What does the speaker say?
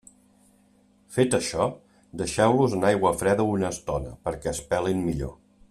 Fet això, deixeu-los en aigua freda una estona, perquè es pelin millor.